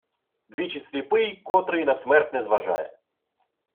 Двічі сліпий, котрий на смерть не зважає.